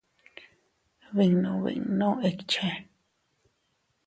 Binnu binnu ikche.